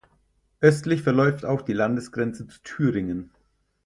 Östlich verläuft auch die Landesgrenze zu Thüringen.